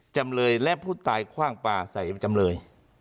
จำเลยและผู้ตายข้างปากใส่ไปจำเลย